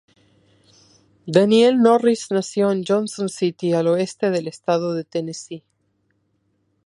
Daniel Norris nació en Johnson City, al oeste del Estado de Tennessee.